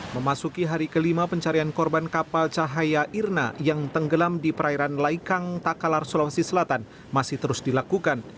memasuki hari kelima pencarian korban kapal cahaya irna yang tenggelam di perairan laikang takalar sulawesi selatan masih terus dilakukan